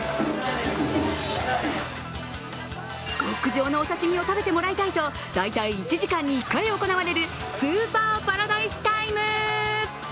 極上のお刺身を食べてもらいたいと大体１時間に１回行われるスーパーパラダイスタイム。